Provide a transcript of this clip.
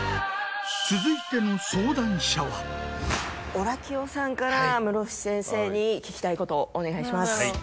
オラキオさんから室伏先生に聞きたいことお願いします。